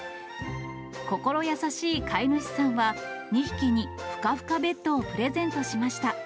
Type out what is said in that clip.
心優しい飼い主さんは、２匹にふかふかベッドをプレゼントしました。